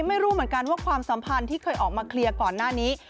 ไม่รู้เหมือนกันว่าความสัมพันธ์ที่เคยออกมาเคลียร์ก่อนหน้านี้